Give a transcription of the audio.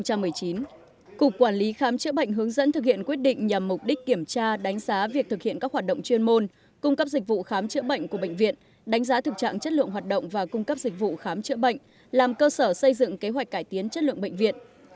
cục quản lý khám chữa bệnh hướng dẫn thực hiện quyết định nhằm mục đích kiểm tra đánh giá việc thực hiện các hoạt động chuyên môn cung cấp dịch vụ khám chữa bệnh của bệnh viện đánh giá thực trạng chất lượng hoạt động và cung cấp dịch vụ khám chữa bệnh làm cơ sở xây dựng kế hoạch cải tiến chất lượng bệnh viện